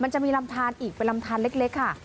มันจะมีลำทานอีกเป็นลำทานเล็กค่ะ